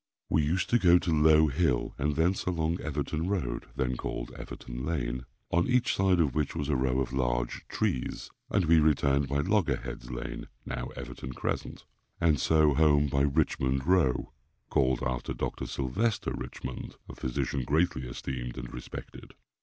We used to go to Low hill and thence along Everton road (then called Everton lane), on each side of which was a row of large trees, and we returned by Loggerhead's lane (now Everton Crescent), and so home by Richmond row, (called after Dr. Sylvester Richmond, a physician greatly esteemed and respected.)